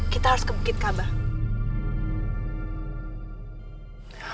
kita harus ke bukit kabah